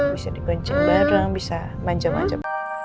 bisa digoncing bareng bisa manja manja